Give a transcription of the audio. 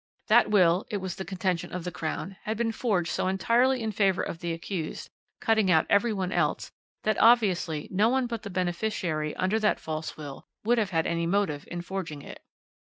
That will, it was the contention of the Crown, had been forged so entirely in favour of the accused, cutting out every one else, that obviously no one but the beneficiary under that false will would have had any motive in forging it.